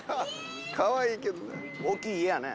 かわいいけどな。